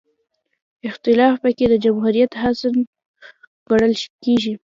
اختلاف پکې د جمهوریت حسن ګڼلی شي.